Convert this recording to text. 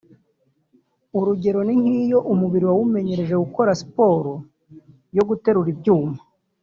urugero ni nk’iyo umubiri wawumenyereje gukora sport yo guterura ibyuma